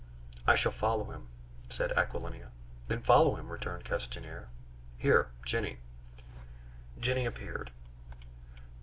"I shall follow him!" said Aquilina. "Then follow him," returned Castanier. "Here, Jenny " Jenny appeared.